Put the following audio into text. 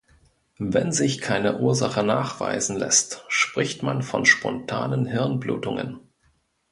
Wenn sich keine Ursache nachweisen lässt, spricht man von spontanen Hirnblutungen.